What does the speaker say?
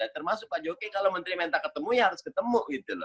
termasuk pak jokowi kalau menteri minta ketemu ya harus ketemu